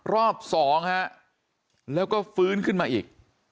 รอบ๒แล้วก็ฟื้นขึ้นมาอีก